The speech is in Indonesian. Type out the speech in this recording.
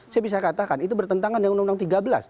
saya bisa katakan itu bertentangan dengan undang undang tiga belas